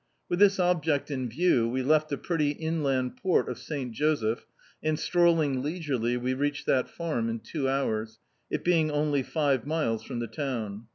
With this object in view, we left the pretty inland port of Sl Joseph, and strolling leisurely, we reached that farm in two hours, it being only five miles from the town.